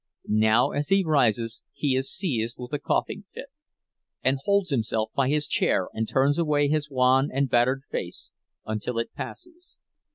Now as he rises he is seized with a coughing fit, and holds himself by his chair and turns away his wan and battered face until it passes.